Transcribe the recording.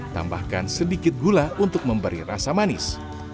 tambahkan sedikit gula untuk memberi rasa manis